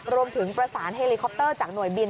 รวมถึงประสานเฮลิคอปเตอร์จากหน่วยบิน